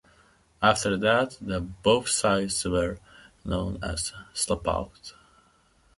After that the both sides were known as Slapout.